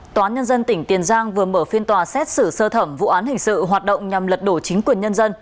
tòa án nhân dân tỉnh tiền giang vừa mở phiên tòa xét xử sơ thẩm vụ án hình sự hoạt động nhằm lật đổ chính quyền nhân dân